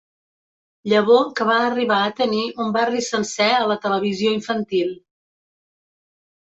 Llavor que va arribar a tenir un barri sencer a la televisió infantil.